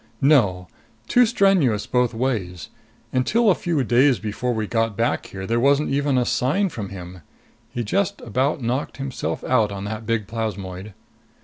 "No. Too strenuous both ways. Until a few days before we got back here, there wasn't even a sign from him. He just about knocked himself out on that big plasmoid."